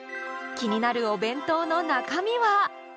気になるお弁当の中身は？